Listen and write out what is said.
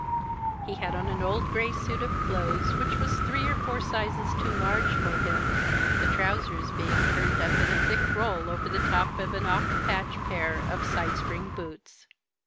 He had on an old grey suit of clothes, which was three or four sizes too large for him, the trousers being turned up in a thick roll over the top of an oft patched pair of side spring boots.